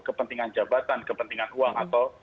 kepentingan jabatan kepentingan uang atau